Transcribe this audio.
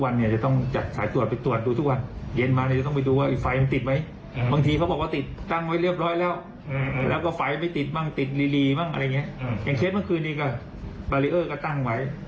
เดี๋ยวฟังท่านอำเภอหน่อยนะครับฟังท่านอำเภอชิกแจ้งหน่อย